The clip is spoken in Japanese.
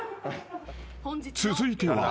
［続いては］